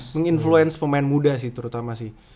meng influence pemain muda sih terutama sih